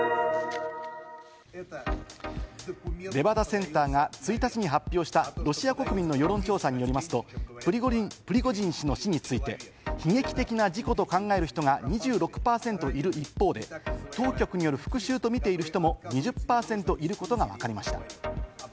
レバダセンターが１日に発表した、ロシア国民の世論調査によりますと、プリゴジン氏の死について悲劇的な事故と考える人が２６％いる一方で、当局による復讐と見ている人も２０％いることがわかりました。